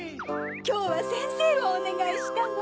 きょうはせんせいをおねがいしたの。